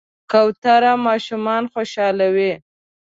کوتره ماشومان خوشحالوي.